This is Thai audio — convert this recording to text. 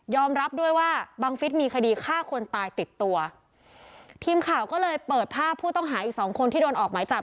รับด้วยว่าบังฟิศมีคดีฆ่าคนตายติดตัวทีมข่าวก็เลยเปิดภาพผู้ต้องหาอีกสองคนที่โดนออกหมายจับ